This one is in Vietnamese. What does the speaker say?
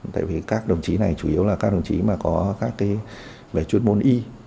tại vì các đồng chí này chủ yếu là các đồng chí mà có các cái về chuyên môn y